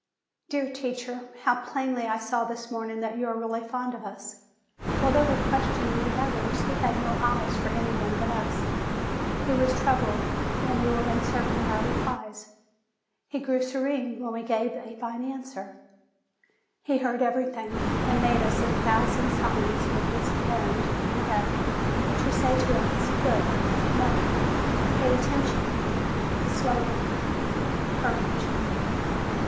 Dear teacher! how plainly I saw this morning that you are really fond of us! While they were question ing the others, he had no eyes for any one but us. He was troubled when we were uncertain in our replies; he grew serene when we gave a fine answer; he heard everything, and made us a thousand signs with his hand and head, to say to us, "Good ! no ! pay attention ! slower ! courage